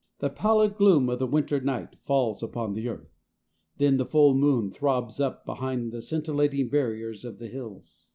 The pallid gloom of the winter night falls upon the earth. Then the full moon throbs up behind the scintillating barrier of the hills.